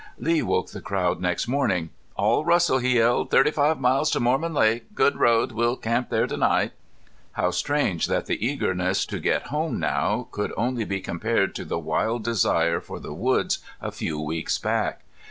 Lee woke the crowd next morning. "All rustle," he yelled. "Thirty five miles to Mormon Lake. Good road. We'll camp there to night." How strange that the eagerness to get home now could only be compared to the wild desire for the woods a few weeks back!